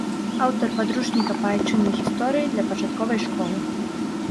Аўтар падручніка па айчыннай гісторыі для пачатковай школы.